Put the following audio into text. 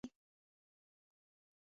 یوه مڼه واخلئ